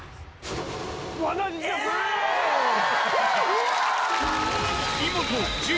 ・うわ！